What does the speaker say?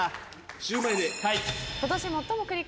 シューマイで。